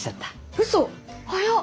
うそ早っ！